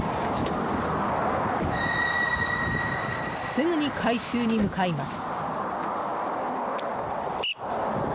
すぐに、回収に向かいます。